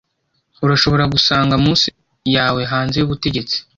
Urashobora gusanga muse yawe hanze yubutegetsi